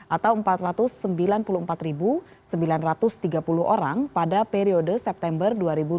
atau empat ratus sembilan puluh empat sembilan ratus tiga puluh orang pada periode september dua ribu dua puluh